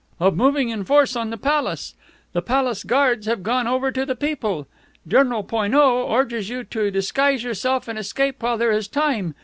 " of moving in force on the Palace. The Palace Guards have gone over to the people. General Poineau urges you to disguise yourself and escape while there is time.